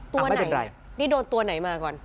ตัวไหนนี่โดนตัวไหนมาก่อน